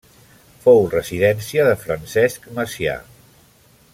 Fou residència de Francesc Macià.